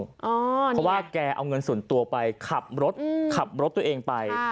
เพราะว่าแกเอาเงินส่วนตัวไปขับรถขับรถตัวเองไป